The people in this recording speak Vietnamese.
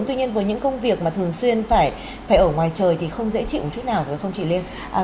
tuy nhiên với những công việc mà thường xuyên phải ở ngoài trời thì không dễ chịu một chút nào